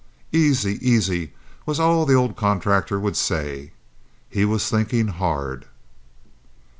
"Aisy! Aisy!" was all the old contractor would say. He was thinking hard.